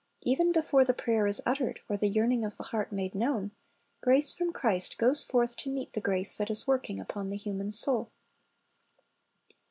Even before the prayer is uttered, or the yearning of the heart made known, grace from Christ goes forth to meet the grace that is working upon the human soul.